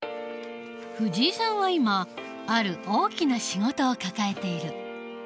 藤井さんは今ある大きな仕事を抱えている。